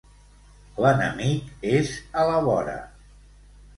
L'enemic és a la vora.